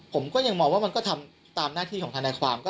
ผมก็ยังมองว่ามันก็ทำตามหน้าที่ของทนายความ